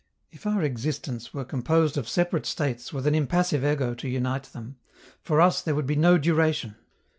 If our existence were composed of separate states with an impassive ego to unite them, for us there would be no duration.